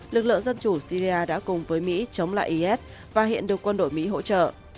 lực lượng dân chủ syria đã cùng với mỹ chống lại is và hiện được quân đội mỹ hỗ trợ